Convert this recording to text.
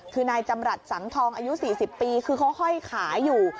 คือนายจำรัฐสังทองอายุ๔๐ปีคือเขาห้อยขาอยู่